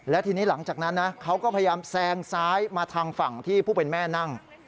และทีนี้หลังจากนั้นนะเขาก็พยายามแซงซ้ายมาทางฝั่งที่ผู้เป็นแม่นั่ง